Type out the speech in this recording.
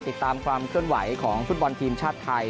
ติดตามความเคลื่อนไหวของฟุตบอลทีมชาติไทย